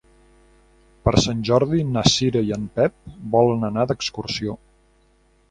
Per Sant Jordi na Cira i en Pep volen anar d'excursió.